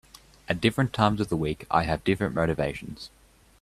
At different times of the week I have different motivations.